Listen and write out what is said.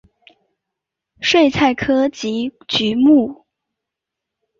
睡菜科及菊目。